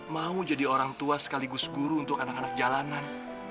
mau jadi orang tua sekaligus guru untuk anak anak jalanan